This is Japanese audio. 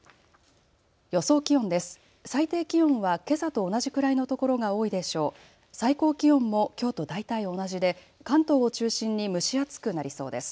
予想気温です。